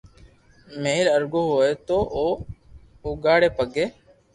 مھل ارگو ھوئي تو او اوگاڙي پگي